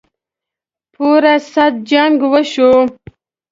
پوره صدۍ جـنګ وشو.